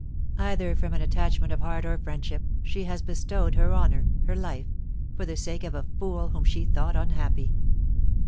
Either from an attachment of heart or friendship, she has bestowed her honour her life for the sake of a fool whom she thought unhappy.